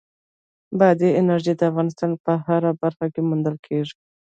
بادي انرژي د افغانستان په هره برخه کې موندل کېږي.